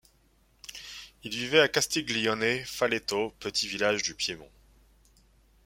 Il vivait à Castiglione Falletto, petit village du Piémont.